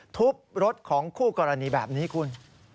ทุบรถของคู่กรณีแบบนี้คุณ